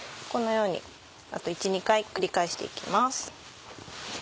このようにあと１２回繰り返して行きます。